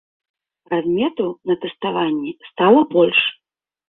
Прадметаў на тэставанні стала больш.